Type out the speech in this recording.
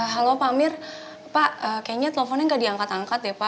halo pak amir pak kayaknya teleponnya gak diangkat angkat ya pak